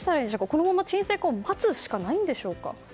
このまま沈静化を待つしかないんでしょうか。